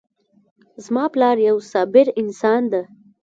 زما پلار یو صابر انسان ده